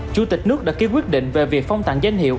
chủ tịch nước đã ký quyết định về việc phong tặng danh hiệu